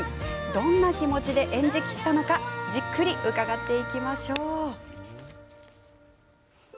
どんな気持ちで演じきったのかじっくり伺っていきましょう。